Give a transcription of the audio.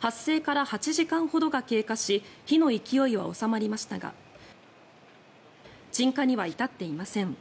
発生から８時間ほどが経過し火の勢いは収まりましたが鎮火には至っていません。